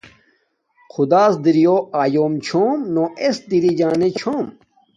خدݳس دِرِیݸ آیݸم چھݸم نݸ اݵس دِرِݵ جݳنݺ چھݸم.